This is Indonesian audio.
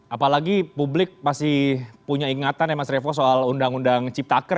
apalagi publik masih punya ingatan ya mas revo soal undang undang ciptaker